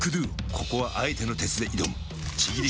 ここはあえての鉄で挑むちぎり